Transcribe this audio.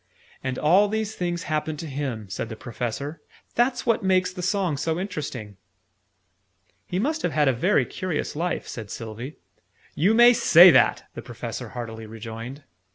"And all these things happened to him," said the Professor. "That's what makes the song so interesting." "He must have had a very curious life," said Sylvie. "You may say that!" the Professor heartily rejoined.